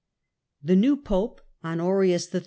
The new pope, Honorius III.